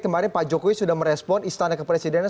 kemarin pak jokowi sudah merespon istana kepresidenan